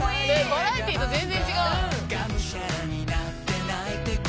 「バラエティーと全然違う」